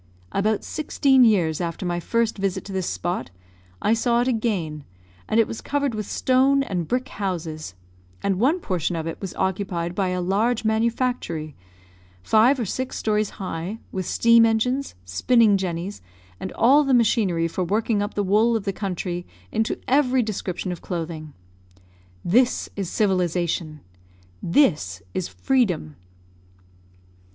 About sixteen years after my first visit to this spot, I saw it again, and it was covered with stone and brick houses; and one portion of it was occupied by a large manufactory, five or six stories high, with steam engines, spinning jennies, and all the machinery for working up the wool of the country into every description of clothing. This is civilisation! This is freedom!